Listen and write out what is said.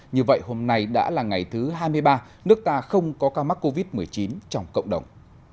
như vậy hôm nay đã là ngày thứ hai mươi ba nước ta không có ca mắc covid một mươi chín trong cộng đồng